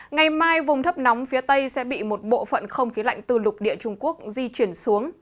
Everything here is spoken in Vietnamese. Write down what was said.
ngày mai vùng thấp nóng phía tây sẽ bị một bộ phận không khí lạnh từ lục địa trung quốc di chuyển xuống